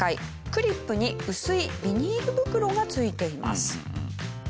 クリップに薄いビニール袋が付いています。